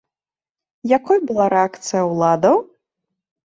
Якой была рэакцыя ўладаў?